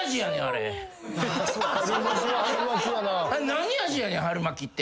何味やねん春巻きって。